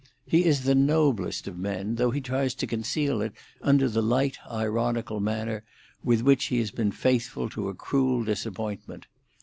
He is the noblest of men, though he tries to conceal it under the light, ironical manner with which he has been faithful to a cruel disappointment.